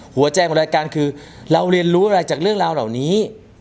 หัวใจของรายการคือเราเรียนรู้อะไรจากเรื่องราวเหล่านี้